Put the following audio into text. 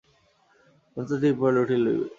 সমস্ত ত্রিপুরা লুঠিয়া লইবে।